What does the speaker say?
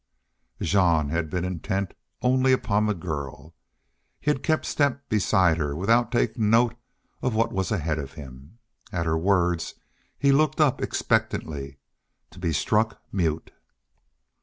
Jean had been intent only upon the girl. He had kept step beside her without taking note of what was ahead of him. At her words he looked up expectantly, to be struck mute.